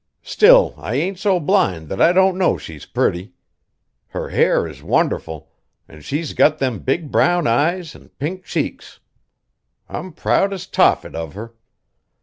Still I ain't so blind that I don't know she's pretty. Her hair is wonderful, an' she's got them big brown eyes an' pink cheeks. I'm proud as Tophet of her.